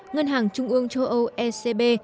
ngân hàng trung ương châu âu ecb